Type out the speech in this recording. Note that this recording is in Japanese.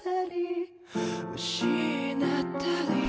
「失ったり」